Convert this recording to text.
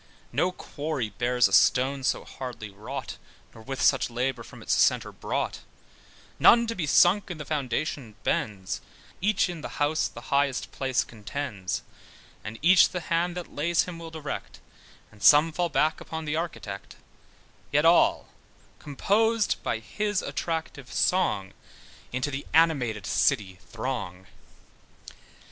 No quarry bears a stone so hardly wrought, Nor with such labour from its centre brought; None to be sunk in the foundation bends, Each in the house the highest place contends, And each the hand that lays him will direct, And some fall back upon the architect; Yet all composed by his attractive song, Into the animated city throng.